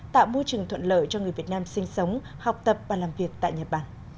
tạo môi trường thuận lợi cho người việt nam sinh sống học tập và làm việc tại nhật bản